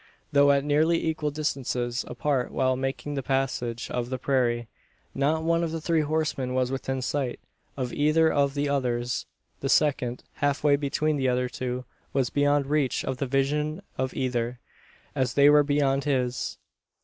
Though at nearly equal distances apart while making the passage of the prairie, not one of the three horsemen was within sight of either of the others. The second, half way between the other two, was beyond reach of the vision of either, as they were beyond his.